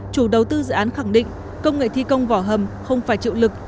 chủ đầu tư dự án khẳng định công nghệ thi công vỏ hầm không phải chịu lực